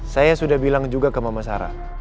saya sudah bilang juga ke mama sarah